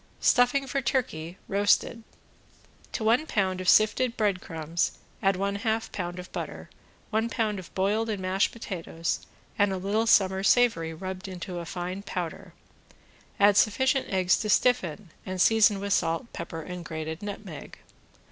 ~STUFFING FOR TURKEY (ROASTED)~ To one pound of sifted breadcrumbs add one half pound of butter, one pound of boiled and mashed potatoes and a little summer savory rubbed to a fine powder, add sufficient eggs to stiffen and season with salt, pepper and grated nutmeg.